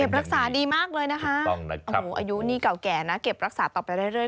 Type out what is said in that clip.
เก็บรักษาดีมากเลยนะคะถูกต้องนะครับโอ้โหอายุนี่เก่าแก่นะเก็บรักษาต่อไปเรื่อย